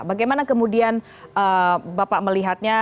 bagaimana kemudian bapak melihatnya